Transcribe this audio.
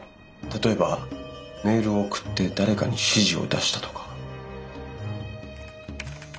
例えばメールを送って誰かに指示を出したとか。